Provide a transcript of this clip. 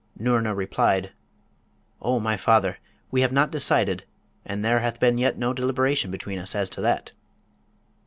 Noorna replied, 'O my father! we have not decided, and there hath been yet no deliberation between us as to that.'